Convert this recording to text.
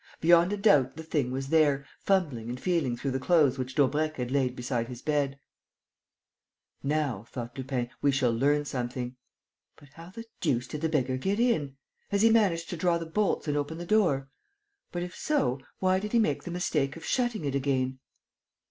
Beyond a doubt, the thing was there, fumbling and feeling through the clothes which Daubrecq had laid beside his bed. "Now," thought Lupin, "we shall learn something. But how the deuce did the beggar get in? Has he managed to draw the bolts and open the door? But, if so, why did he make the mistake of shutting it again?"